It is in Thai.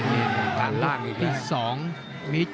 ห่านล่างอีกแล้ว